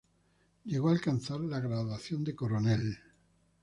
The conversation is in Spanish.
Llegó a alcanzar la graduación de coronel.